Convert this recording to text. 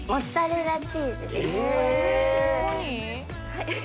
はい。